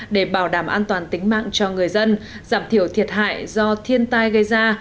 để bảo đảm an toàn tính mạng cho người dân giảm thiểu thiệt hại do thiên tai gây ra